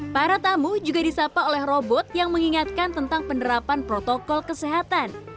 para tamu juga disapa oleh robot yang mengingatkan tentang penerapan protokol kesehatan